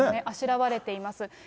あしらわれています。